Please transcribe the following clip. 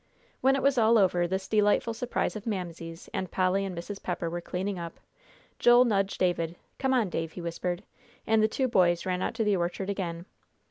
When it was all over, this delightful surprise of Mamsie's, and Polly and Mrs. Pepper were clearing up, Joel nudged David. "Come on, Dave," he whispered, and the two boys ran out to the orchard again.